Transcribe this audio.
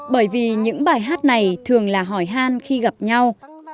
bởi vì những bài hát này thường là hỏi han khi gặp nhau